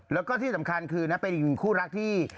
แล้วก็ที่สำคัญคือนะเป็นอีกหนึ่งคู่รักที่